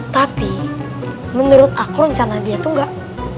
tapi menurut aku rencana dia tuh gak